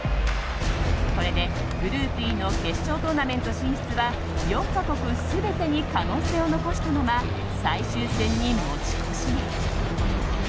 これでグループＥの決勝トーナメント進出は４か国全てに可能性を残したまま最終戦に持ち越しへ。